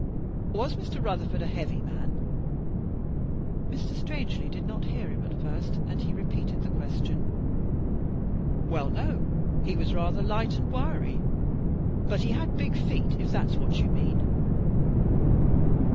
"Was Mr. Rutherford a heavy man?" Mr. Strangely did not hear him at first, and he repeated the ques tion. "Well, no, he was rather light and wiry, but he had big feet, if that's what you mean."